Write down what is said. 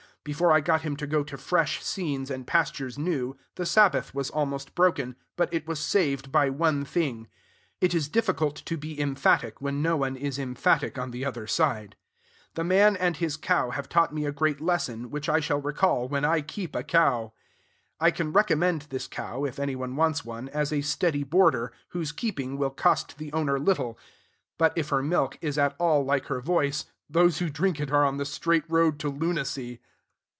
Before I got him to go to fresh scenes and pastures new, the Sabbath was almost broken; but it was saved by one thing: it is difficult to be emphatic when no one is emphatic on the other side. The man and his cow have taught me a great lesson, which I shall recall when I keep a cow. I can recommend this cow, if anybody wants one, as a steady boarder, whose keeping will cost the owner little; but, if her milk is at all like her voice, those who drink it are on the straight road to lunacy.